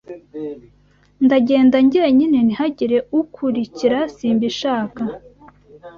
Ndagenda njyenyine ntihagire ukwurikira simbishaka